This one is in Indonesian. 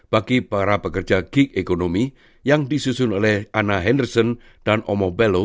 bagi para pekerja gig ekonomi yang disusun oleh anna henderson dan omobelo